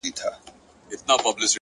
ستا د خولې خندا يې خوښه سـوېده ـ